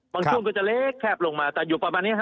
ช่วงก็จะเล็กแคบลงมาแต่อยู่ประมาณนี้ฮะ